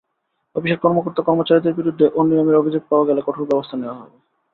অফিসের কর্মকর্তা-কর্মচারীদের বিরুদ্ধে অনিয়মের অভিযোগ পাওয়া গেলে কঠোর ব্যবস্থা নেওয়া হবে।